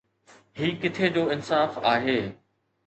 هي ڪٿي جو انصاف آهي؟